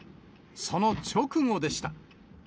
その直後でした。